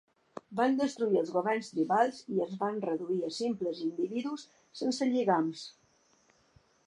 Van destruir els governs tribals i ens van reduir a simples individus sense lligams.